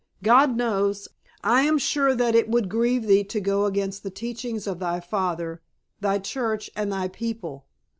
God knows. I am sure that it would grieve thee to go against the teachings of thy father, thy church and thy people.